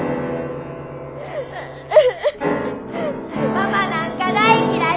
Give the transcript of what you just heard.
ママなんか大嫌い！